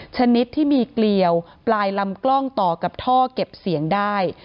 ชนิดที่มีเกลียวปลายลำกล้องต่อกับท่อเก็บเสียงได้